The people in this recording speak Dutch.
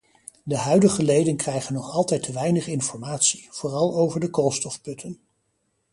De huidige leden krijgen nog altijd te weinig informatie, vooral over de koolstofputten.